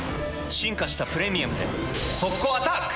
進化した「プレミアム」で速攻アタック！